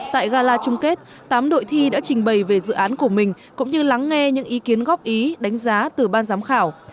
tại gala chung kết tám đội thi đã trình bày về dự án của mình cũng như lắng nghe những ý kiến góp ý đánh giá từ ban giám khảo